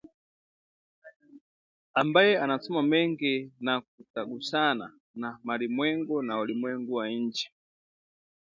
ambaye anasoma mengi na kutagusana na malimwengu na ulimwengu wa nje